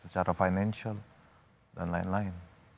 secara financial dan lain lain